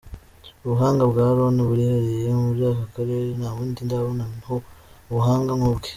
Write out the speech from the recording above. Ubuhanga bwa Aaron burihariye, muri aka karere nta wundi ndabonaho ubuhanga nk’ubwe.